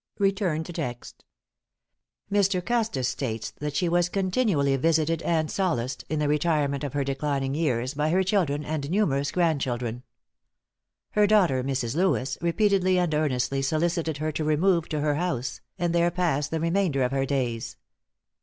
"= Mr. Custis states that she was continually visited and solaced, in the retirement of her declining years, by her children and numerous grandchildren. Her daughter, Mrs. Lewis, repeatedly and earnestly solicited her to remove to her house, and there pass the remainder of her days.